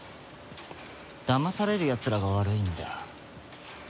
だまされるやつらが悪いんだよ。